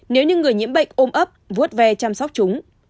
nếu những người nhiễm bệnh ôm ấp vuốt về chăm sóc chúng